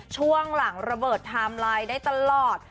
ช่วงหลังระเบิดไทม์ไลน์ได้ตลอด